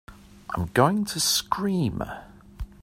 I'm going to scream!